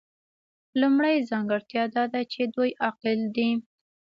لومړۍ ځانګړتیا دا ده چې دوی عاقل دي.